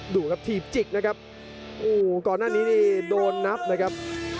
ดูครับถีบจิกนะครับโอ้โหก่อนหน้านี้นี่โดนนับนะครับ